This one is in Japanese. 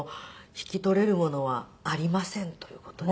引き取れるものはありませんという事で。